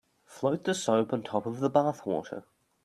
Float the soap on top of the bath water.